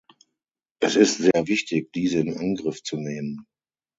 Es ist sehr wichtig, diese in Angriff zu nehmen.